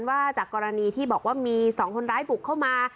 ว่าจากกรณีที่บอกว่ามี๒คนร้ายบุกเข้ามา